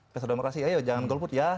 pesta demokrasi ayo jangan golput ya